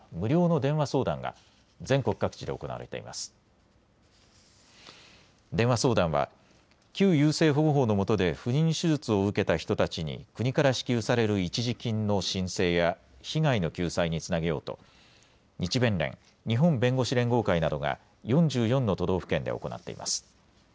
電話相談は旧優生保護法のもとで不妊手術を受けた人たちに国から支給される一時金の申請や被害の救済につなげようと日弁連・日本弁護士連合会などが４４の都道府県で行っています。